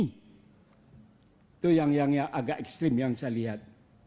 itu yang agak ekstrim yang saya lihat